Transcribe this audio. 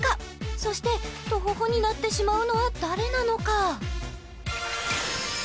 そしてトホホになってしまうのは誰なのか？